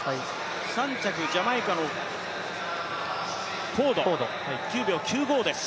３着ジャマイカのフォード９秒９５です。